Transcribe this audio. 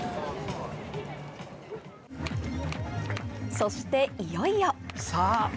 そして、いよいよ。